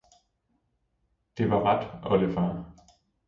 Det var ret, oldefar!